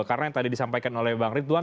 karena yang tadi disampaikan oleh bang ridwan